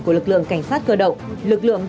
của lực lượng cảnh sát cơ động